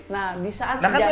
nah di saat kerjaan